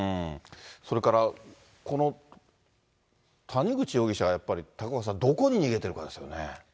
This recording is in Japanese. それから、この谷口容疑者がやっぱり、高岡さん、どこに逃げてるかですよね。